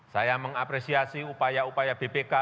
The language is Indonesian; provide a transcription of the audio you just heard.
saya mengapresiasi upaya upaya bpk